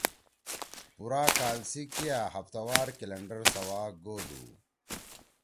پُورا کال سی کیا ہفتہ وار کلینڈر سوا گودُو۔